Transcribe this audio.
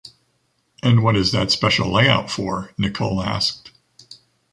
And what is that special layout for ? Nicholl asked.